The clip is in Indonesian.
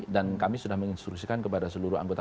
dan kami sudah menginstruksikan kepada seluruh anggota